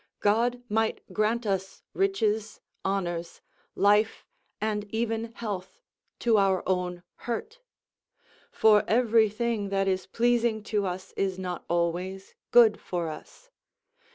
God might grant us riches, honours, life, and even health, to our own hurt; for every thing that is pleasing to us is not always good for us.